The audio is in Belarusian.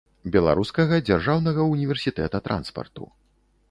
Беларускага дзяржаўнага універсітэта транспарту.